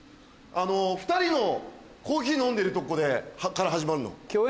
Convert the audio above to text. ２人のコーヒー飲んでるとこから始まるの。